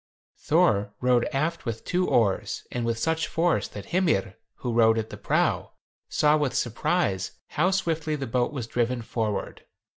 Thor rowed aft with two oars, and with such force that Hymir, who rowed at the prow, saw with surprise, how swiftly the boat was driven forward.